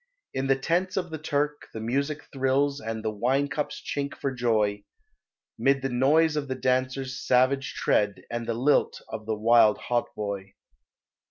In the tents of the Turk the music thrills And the wine cups chink for joy, 'Mid the noise of the dancer's savage tread And the lilt of the wild hautboy."